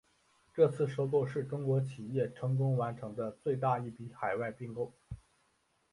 这次收购是中国企业成功完成的最大一笔海外并购。